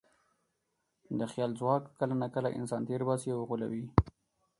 د خیال ځواک کله ناکله انسان تېر باسي او غولوي.